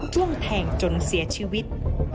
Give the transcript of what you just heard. จ้วงแทงจนเสียชีวิต